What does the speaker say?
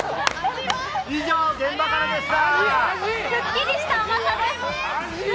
以上、現場からでした。